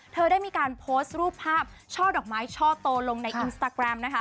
เธอได้มีการโพสต์รูปภาพช่อดอกไม้ช่อโตลงในอินสตาแกรมนะคะ